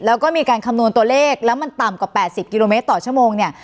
แล้วก็มีการคำนวณตัวเลขแล้วมันต่ำกว่า๘๐กิโลเมตรต่อชั่วโมงเนี่ย